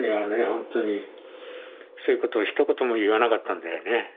ほんとにそういうことをひと言も言わなかったんだよね。